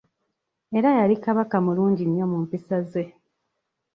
Era yali Kabaka mulungi nnyo mu mpisa ze.